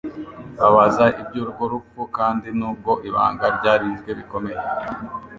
babaza iby'urwo rupfu kandi n'ubwo ibanga ryarinzwe bikomeye,